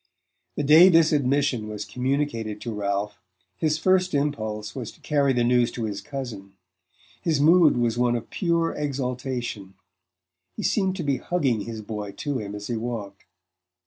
The day this admission was communicated to Ralph his first impulse was to carry the news to his cousin. His mood was one of pure exaltation; he seemed to be hugging his boy to him as he walked.